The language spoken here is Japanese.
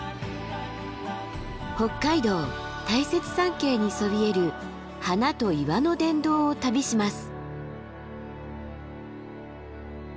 北海道大雪山系にそびえる花と岩の殿堂を旅します。